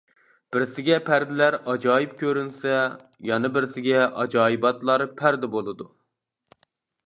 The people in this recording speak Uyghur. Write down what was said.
بىرسىگە پەردىلەر ئاجايىپ كۆرۈنسە، يەنە بىرسىگە ئاجايىباتلار پەردە بولىدۇ.